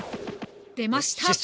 出ました！